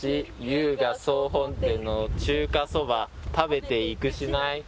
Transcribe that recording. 「ゆいが総本店の中華そば」「食べて行くしない！」